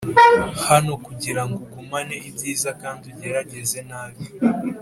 hano kugirango ugumane ibyiza kandi ugerageze nabi.